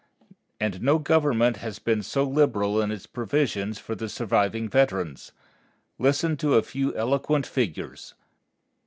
And no government has been so liberal in its provisions for the surviving veterans. Listen to a few eloquent figures.